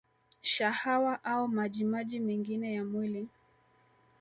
Shahawa au maji maji mengine ya mwili